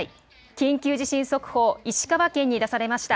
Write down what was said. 緊急地震速報、石川県に出されました。